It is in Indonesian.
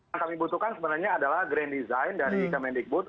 yang kami butuhkan sebenarnya adalah grand design dari kemendikbud